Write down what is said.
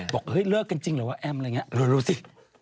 บอกเฮ้ยเลิกกันจริงเหรอวะแอมอะไรอย่างนี้ดูสิ